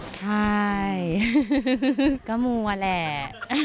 ใช่ก็มัวแหละ